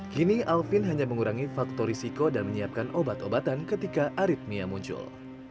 kini alvin hanya mengurangi faktor risiko dan menyiapkan obat obatan ketika aritmia muncul